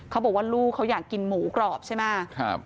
เขาบอกว่าลูกเขาอยากกินหมูกรอบใช่ไหม